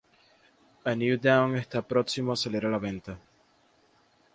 A New Dawn está próximo a salir a la venta.